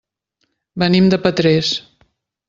Venim de Petrés.